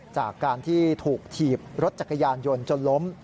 จากการที่ถูกถีบรถจักรยานยนต์จนล้ม